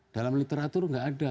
dalam literatur gak ada